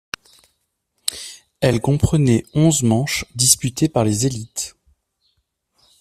Elle comprenait onze manches disputées par les élites.